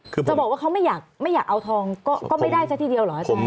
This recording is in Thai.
จะบอกว่าเขาไม่อยากเอาทองก็ไม่ได้แค่ทีเดียวเหรออาจารย์